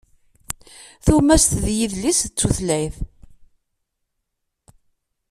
Tumast d yidles d tutlayt.